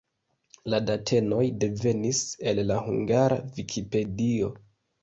La datenoj devenis el la Hungara Vikipedio.